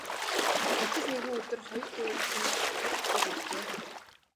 Гэтэл нэгэн өдөр хоёр луйварчин тэр хотод иржээ.